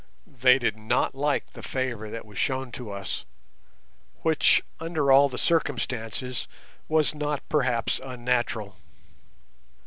They did not like the favour that was shown to us, which under all the circumstances was not perhaps unnatural.